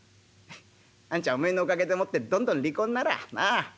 あんちゃんお前のおかげでもってどんどん利口にならあ。